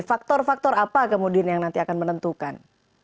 faktor faktor apa kemudian yang nanti akan menentukan